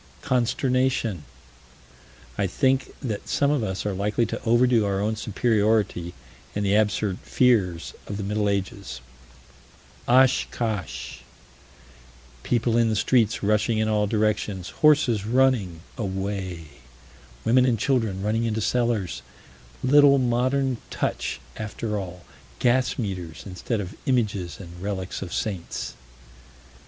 Consternation. I think that some of us are likely to overdo our own superiority and the absurd fears of the Middle Ages Oshkosh. People in the streets rushing in all directions horses running away women and children running into cellars little modern touch after all: gas meters instead of images and relics of saints.